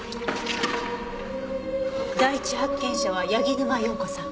第一発見者は柳沼洋子さん。